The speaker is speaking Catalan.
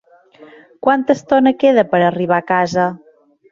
Quanta estona queda per arribar a casa?